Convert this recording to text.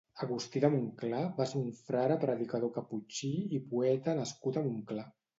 Agustí de Montclar va ser un frare predicador caputxí i poeta nascut a Montclar.